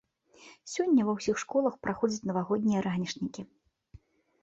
Сёння ва ўсіх школах праходзяць навагоднія ранішнікі.